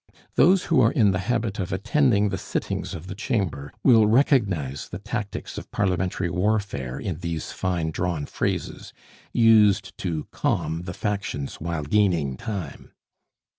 Those who are in the habit of attending the sittings of the Chamber will recognize the tactics of parliamentary warfare in these fine drawn phrases, used to calm the factions while gaining time.